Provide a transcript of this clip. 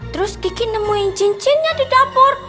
terus gigi nemuin cincinnya di dapur